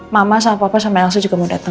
mama sama papa sama elsa juga mau datang